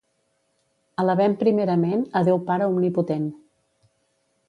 Alabem primerament a Déu Pare Omnipotent.